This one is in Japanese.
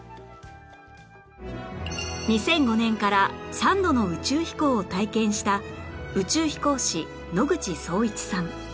２００５年から３度の宇宙飛行を体験した宇宙飛行士野口聡一さん